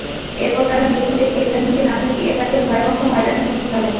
এরপর তাঁরা নিরীহ দেখে ইব্রাহিমকে নামিয়ে দিয়ে তাঁকে ভয়াবহ হয়রানির মধ্যে ফেলেন।